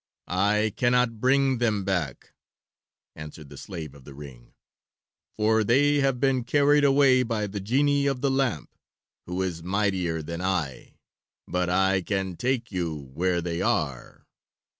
"I cannot bring them back," answered the slave of the ring, "for they have been carried away by the genie of the lamp, who is mightier than I, but I can take you where they are."